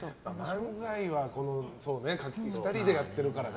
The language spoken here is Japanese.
漫才は、２人でやってるからね。